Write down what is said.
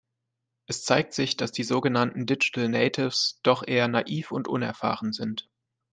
Es zeigt, dass die sogenannten Digital Natives doch eher naiv und unerfahren sind.